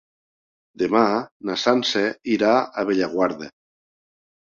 Demà na Sança irà a Bellaguarda.